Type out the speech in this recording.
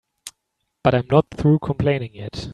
But I'm not through complaining yet.